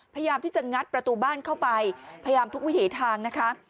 พยายามที่จะงัดประตูบ้านเข้าไปพยายามทุกวิถีทางนะคะ